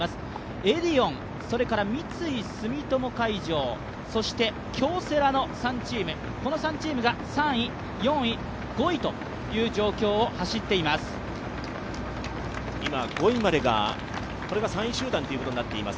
エディオン、三井住友海上そして京セラの３チームが３位、４位、５位という状況を走っています